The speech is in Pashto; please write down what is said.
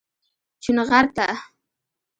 چونغرته